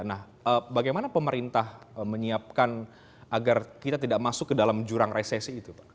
nah bagaimana pemerintah menyiapkan agar kita tidak masuk ke dalam jurang resesi itu pak